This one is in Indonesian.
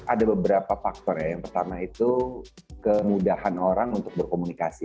ada beberapa faktor ya yang pertama itu kemudahan orang untuk berkomunikasi